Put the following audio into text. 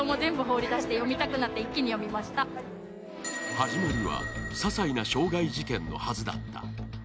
始まりは、ささいな傷害事件のはずだった。